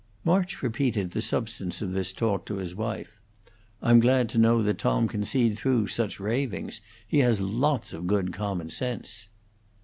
March repeated the substance of this talk to his wife. "I'm glad to know that Tom can see through such ravings. He has lots of good common sense."